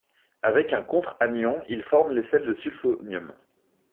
Avec un contre-anion, ils forment les sels de sulfonium.